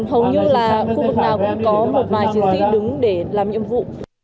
hầu như là khu vực nào cũng có một vài chiến sĩ đứng để làm nhiệm vụ